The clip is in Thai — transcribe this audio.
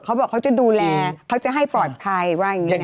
เขาบอกเขาจะดูแลเขาจะให้ปลอดภัยว่าอย่างนี้ยังไง